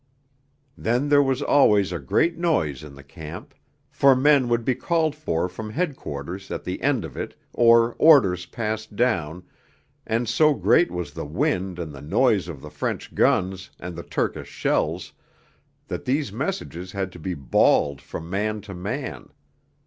Then there was always a great noise in the camp, for men would be called for from Headquarters at the end of it or orders passed down, and so great was the wind and the noise of the French guns and the Turkish shells, that these messages had to be bawled from man to man.